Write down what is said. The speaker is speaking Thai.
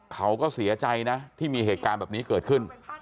เขาก็เสียใจนะที่มีเหตุการณ์แบบนี้เกิดขึ้น